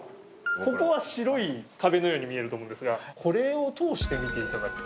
ここは白い壁のように見えると思うんですがこれを通して見ていただくと。